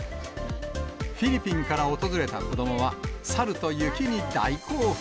フィリピンから訪れた子どもは、猿と雪に大興奮。